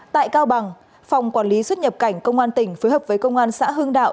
tại cao bằng phòng quản lý xuất nhập cảnh công an tỉnh phối hợp với công an xã hương đạo